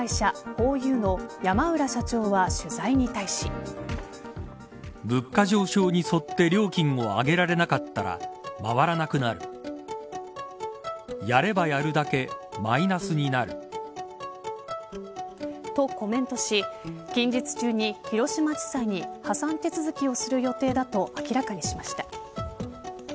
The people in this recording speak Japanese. ＨＯＹＵの山浦社長は取材に対し。とコメントし近日中に広島地裁に破産手続きをする予定だと明らかにしました。